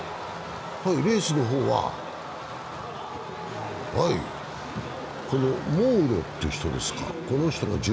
レースの方はモウロっていう人ですか。